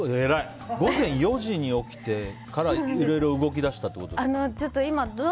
午前４時に起きてからいろいろ動き出したってことですか？